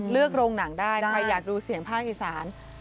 โรงหนังได้ใครอยากดูเสียงภาคอีสาน